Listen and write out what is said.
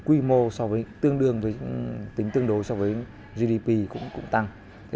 quy mô tính tương đối với gdp cũng tăng